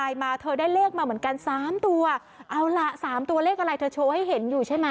มาเธอได้เลขมาเหมือนกันสามตัวเอาล่ะสามตัวเลขอะไรเธอโชว์ให้เห็นอยู่ใช่ไหม